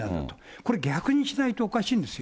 これ、逆にしないとおかしいんですよ。